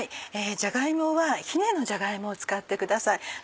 じゃが芋はひねのじゃが芋を使ってください。